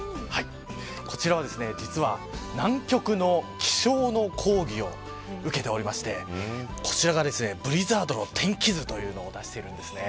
こちらは実は南極の気象の講義を受けておりましてこちらがですねブリザードの天気図というのを出しているんです。